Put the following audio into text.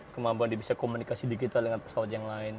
kemampuan dia bisa komunikasi digital dengan pesawat yang lain